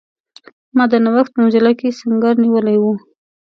ما د نوښت په مجله کې سنګر نیولی وو.